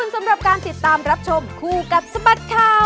สำหรับการติดตามรับชมคู่กับสบัดข่าว